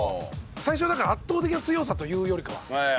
最初はだから圧倒的な強さというよりかは。